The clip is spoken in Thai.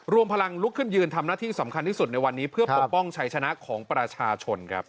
รวมพลังลุกขึ้นยืนทำหน้าที่สำคัญที่สุดในวันนี้เพื่อปกป้องชัยชนะของประชาชนครับ